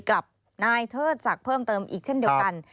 กับนายเทิดศักดิ์เพิ่มเติมอีกเช่นเดียวกัน